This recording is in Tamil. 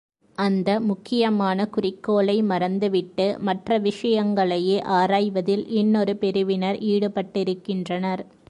அந்த முக்கியமான குறிக்கோளை மறந்துவிட்டு மற்ற விஷயங்களையே ஆராய்வதில் இன்னொரு பிரிவினர் ஈடுபட்டிருக்கின்றனர்.